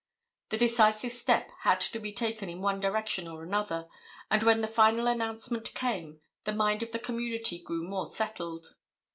A decisive step had to be taken in one direction or another, and when the final announcement came, the mind of the community grew more settled.